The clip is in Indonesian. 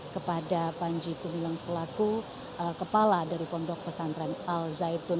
kepada panji gumilang selaku kepala dari pondok pesantren al zaitun